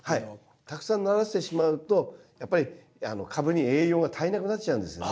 たくさんならせてしまうとやっぱり株に栄養が足りなくなっちゃうんですよね。